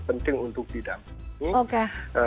penting untuk didampingi